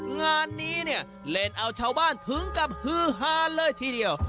งานนี้เนี่ยเล่นเอาชาวบ้านถึงกับฮือฮาเลยทีเดียว